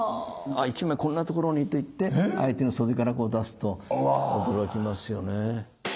「１枚こんなところに」と言って相手の袖から出すと驚きますよね。